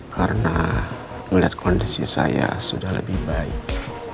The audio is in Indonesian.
karena melihat kondisi saya sudah lebih baik